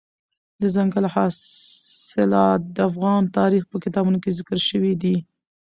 دځنګل حاصلات د افغان تاریخ په کتابونو کې ذکر شوی دي.